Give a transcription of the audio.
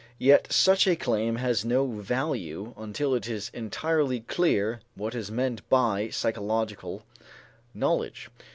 Yet such a claim has no value until it is entirely clear what is meant by psychological knowledge.